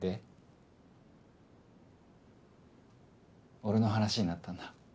俺の話になったんだ？